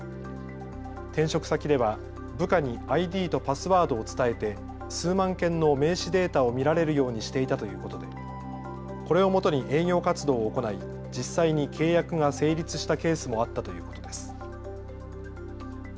転職先では部下にＩＤとパスワードを伝えて数万件の名刺データを見られるようにしていたということでこれをもとに営業活動を行い実際に契約が成立したケースもあったということです。